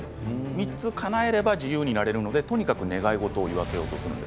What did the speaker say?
３つかなえれば自由になれるのでとにかく願い事を言わせようとするんです。